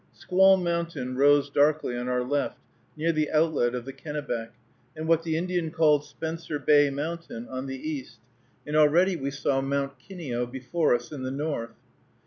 Squaw Mountain rose darkly on our left, near the outlet of the Kennebec, and what the Indian called Spencer Bay Mountain, on the east, and already we saw Mount Kineo before us in the north.